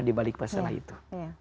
di balik masalah itu